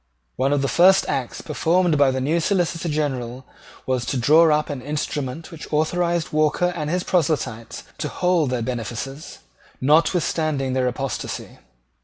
One of the first acts performed by the new Solicitor General was to draw up an instrument which authorised Walker and his proselytes to hold their benefices, notwithstanding their apostasy.